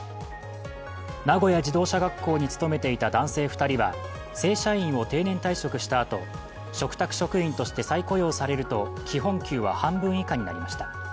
名古屋自動車学校に勤めていた男性２人は正社員を定年退職したあと、嘱託職員として再雇用されると基本給は半分以下になりました。